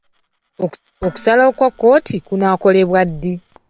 Okusalawo kwa kkooti kunaakolebwa ddi.